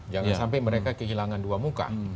jangan sampai mereka kehilangan dua muka